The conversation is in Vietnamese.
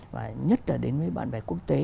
và nhất là đến với bạn bè quốc tế